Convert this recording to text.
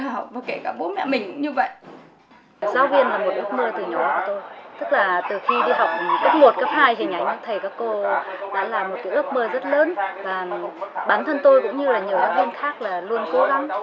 và bản thân tôi cũng như là nhiều giáo viên khác là luôn cố gắng để thực hiện cái ước mơ đó